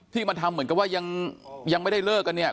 มาทำเหมือนกับว่ายังไม่ได้เลิกกันเนี่ย